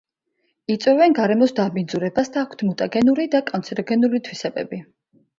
იწვევენ გარემოს დაბინძურებას და აქვთ მუტაგენური და კანცეროგენული თვისებები.